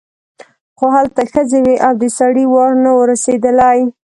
خو هلته ښځې وې او د سړي وار نه و رسېدلی.